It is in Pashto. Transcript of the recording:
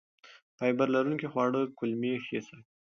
فایبر لرونکي خواړه کولمې ښه ساتي.